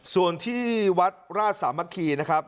ส่วนที่วัดราชสามัคคีนะครับ